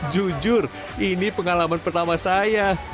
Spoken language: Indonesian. jujur ini pengalaman pertama saya